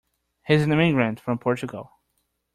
He's an immigrant from Portugal.